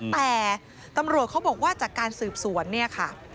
แต่ตำรวจเขาบอกว่าจากการสืบสวนเนี่ยค่ะ